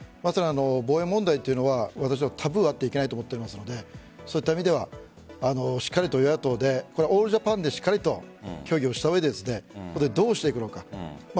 防衛問題というのはタブーがあってはいけないと思っていますのでそういった意味では与野党で、オールジャパンで協議をした上でどうしていくのか。